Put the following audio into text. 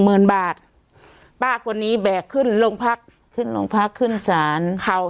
เมินบาทป้าคนนี้แบกขึ้นลงพักขึ้นลงพักขึ้นสารเข่า